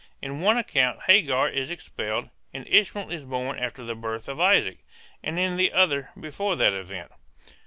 In one account Hagar is expelled and Ishmael is born after the birth of Isaac, and in the other before that event.